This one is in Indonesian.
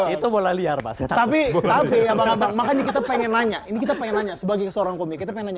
itu bola liar tapi kita pengen nanya ini kita pengen nanya sebagai seorang komik